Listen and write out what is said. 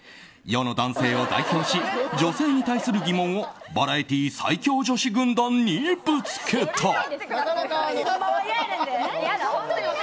世の男性を代表し女性に対する疑問をバラエティー最強女子軍団にぶつけた！